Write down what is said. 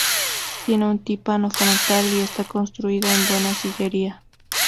Tiene un tímpano frontal y está construida en buena sillería.